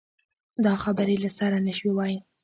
دا خبرې له سره شوې نه وای.